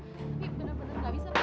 tapi benar benar nggak bisa pak